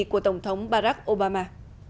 của tổng thống barack obama